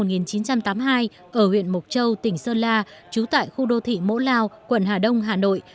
ở huyện mộc châu tỉnh sơn la trú tại khu đô thị mỗ lao quận hà đông hà nội